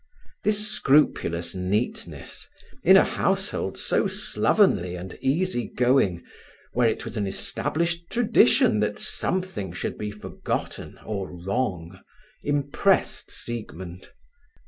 This scrupulous neatness, in a household so slovenly and easy going, where it was an established tradition that something should be forgotten or wrong, impressed Siegmund.